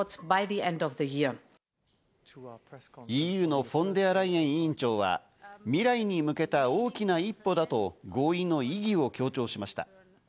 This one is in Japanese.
ＥＵのフォンデアライエン委員長は未来に向けた大きな一歩だと合意の意義を強調しました。